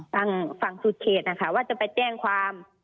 ฝั่งฝั่งสุดเขตนะคะว่าจะไปแจ้งความ